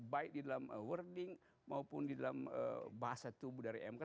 baik di dalam wording maupun di dalam bahasa tubuh dari mk